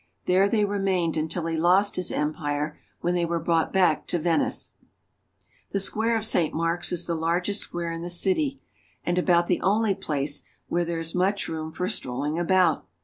There they remained until he lost his empire, when they were brought back to Venice. The square of St. Mark's is the largest square in the 398 ITALY. city, and about the only place where there is much room for strolling about.